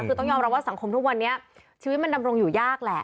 คือต้องยอมรับว่าสังคมทุกวันนี้ชีวิตมันดำรงอยู่ยากแหละ